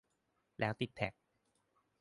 แล้วติดแท็ก